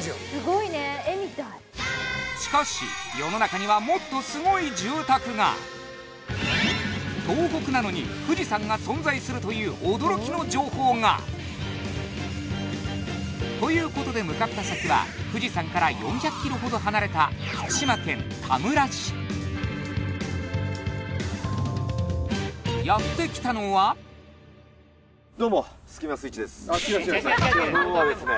しかし世の中には東北なのに富士山が存在するという驚きの情報がということで向かった先は富士山から４００キロほど離れたやって来たのはどうも今日はですね